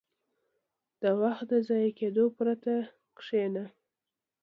• د وخت د ضایع کېدو پرته کښېنه.